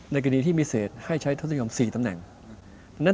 กรณีที่พิเศษให้ใช้ทศนิยม๔ตำแหน่ง